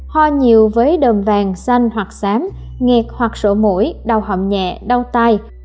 ho nhiều với đờm vàng xanh hoặc xám nghẹt hoặc sổ mũi đau hậm nhẹ đau tay